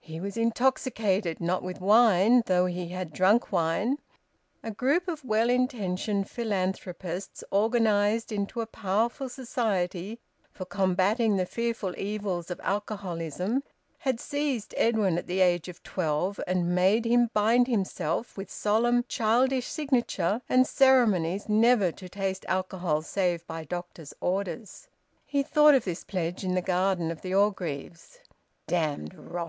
He was intoxicated; not with wine, though he had drunk wine. A group of well intentioned philanthropists, organised into a powerful society for combating the fearful evils of alcoholism, had seized Edwin at the age of twelve and made him bind himself with solemn childish signature and ceremonies never to taste alcohol save by doctor's orders. He thought of this pledge in the garden of the Orgreaves. "Damned rot!"